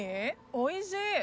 おいしい！